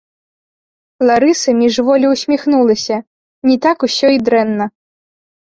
Ларыса міжволі ўсміхнулася: не так усё і дрэнна.